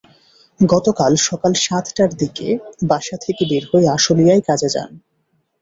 গতকাল সকাল সাতটার দিকে বাসা থেকে বের হয়ে আশুলিয়ায় কাজে যান।